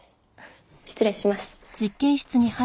失礼します。